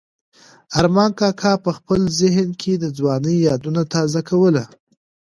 ارمان کاکا په خپل ذهن کې د ځوانۍ یادونه تازه کوله.